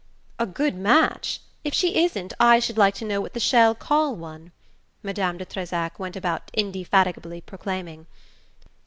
"A good match? If she isn't, I should like to know what the Chelles call one!" Madame de Trezac went about indefatigably proclaiming.